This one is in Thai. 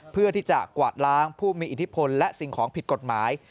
เพื่อที่จะกวาดล้างผู้มีอิทธิพลและสิ่งของผิดกฎหมาย